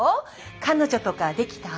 彼女とか出来た？